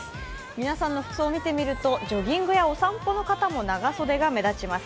皆さんの服装見てみると、ジョギングやお散歩の方も長袖が目立ちます。